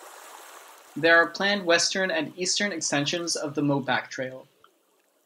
There are planned western and eastern extensions of the MoPac Trail.